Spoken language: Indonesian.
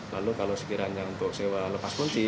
lalu kalau sekiranya untuk sewa lepas kunci